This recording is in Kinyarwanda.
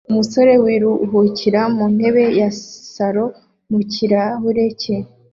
Umusore wiruhukira mu ntebe ya salo mu kirahure cye